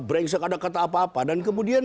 brengsek ada kata apa apa dan kemudian